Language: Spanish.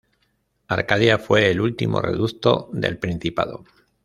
Arcadia fue el último reducto del Principado.